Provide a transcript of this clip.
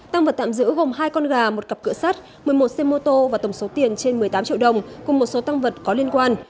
tăng vật tạm giữ gồm hai con gà một cặp cửa sắt một mươi một xe mô tô và tổng số tiền trên một mươi tám triệu đồng cùng một số tăng vật có liên quan